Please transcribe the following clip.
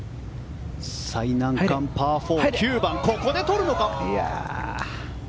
最難関、パー４９番、ここで取るのか。